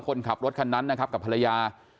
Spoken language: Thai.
คนขับรถคันนั้นกับภรรยา